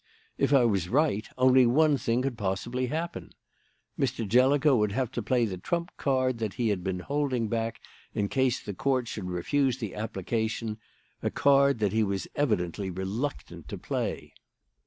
"If I was right, only one thing could possibly happen. Mr. Jellicoe would have to play the trump card that he had been holding back in case the Court should refuse the application; a card that he was evidently reluctant to play.